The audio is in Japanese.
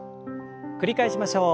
繰り返しましょう。